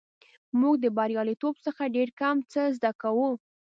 موږ د بریالیتوب څخه ډېر کم څه زده کوو.